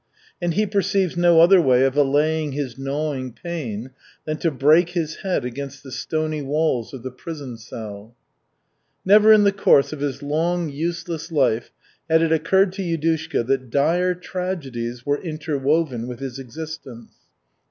And he perceives no other way of allaying his gnawing pain than to break his head against the stony walls of the prison cell. Never in the course of his long, useless life had it occurred to Yudushka that dire tragedies were interwoven with his existence.